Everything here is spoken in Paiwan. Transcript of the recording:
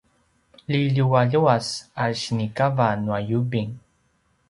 liljualjuas a sinikava nua yubing